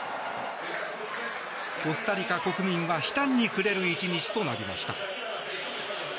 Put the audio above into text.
コスタリカ国民は悲嘆に暮れる１日となりました。